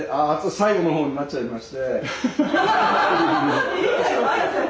最後の方になっちゃいまして。